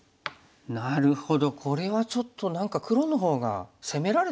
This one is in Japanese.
なるほどこれはちょっと何か黒の方が攻められてる感じがしますね。